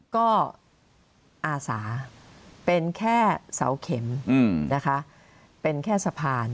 ก็อาสาเป็นแค่เสาเข็มนะคะเป็นแค่สะพาน